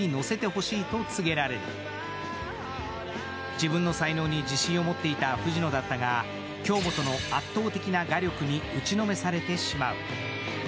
自分の才能に自信を持っていた藤野だったが、京本の圧倒的な画力に打ちのめされてしまう。